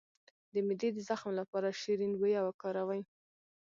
د معدې د زخم لپاره شیرین بویه وکاروئ